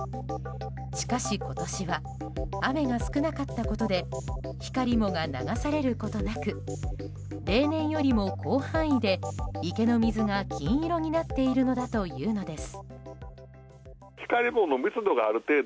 しかし、今年は雨が少なかったことでヒカリモが流されることなく例年よりも広範囲で池の水が金色になっているのだというのです。